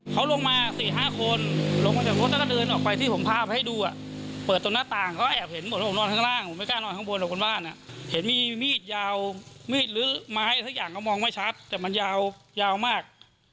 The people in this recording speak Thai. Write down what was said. เขาลงมา๔๕คนลงมาจากรถแล้วก็เดินออกไปที่ผมภาพให้ดูเปิดตรงหน้าต่างก็แอบเห็นหมดว่าผมนอนข้างล่างผมไม่กล้านอนข้างบนหรอกคนบ้านเห็นมีมีดยาวมีดหรือไม้สักอย่างก็มองไม่ชัดแต่มันยาวยาวมาก